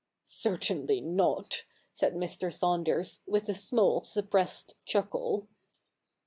' Certainly not,' said Mr. Saunders, with a small suppressed chuckle.